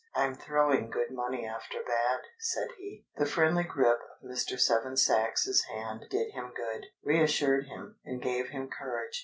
"I'm throwing good money after bad," said he. The friendly grip of Mr. Seven Sach's hand did him good, reassured him, and gave him courage.